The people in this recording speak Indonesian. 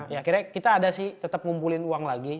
ya akhirnya kita ada sih tetap ngumpulin uang lagi